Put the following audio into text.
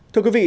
thưa quý vị